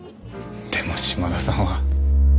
でも島田さんは。